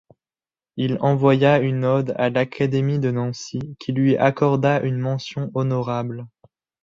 Il envoya une ode à l'Académie de Nancy qui lui accorda une mention honorable.